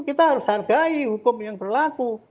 kita harus hargai hukum yang berlaku